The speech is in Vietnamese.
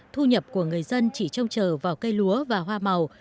thu nhập của người dân chỉ trông chờ vào cây lúa và hoa màu